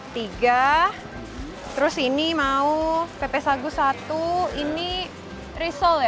tiga terus ini mau pepesagu satu ini risol ya